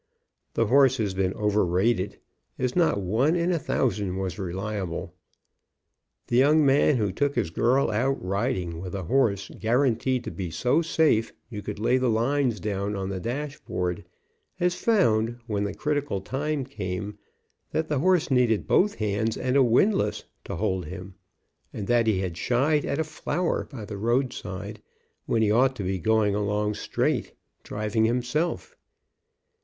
The horse has been overrated, as not one in a thousand was reliable. The young man who took his girl out riding with a horse guaranteed to be so safe you could lay the lines down on the dashboard, has found when the critical time came that the horse needed both hands and a windlass THE HORSELESS CARRIAGE to hold him, and that he had shied at a flower 3y the roadside, when he ought to be going along straight, driving himself.